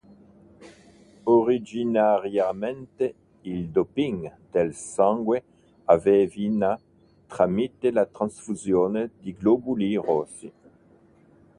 Originariamente il doping del sangue avveniva tramite la trasfusione di globuli rossi.